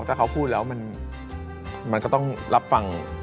ถ้าเขาพูดแล้วมันก็ต้องรับฟัง